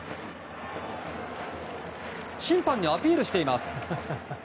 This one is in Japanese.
審判にアピールしています。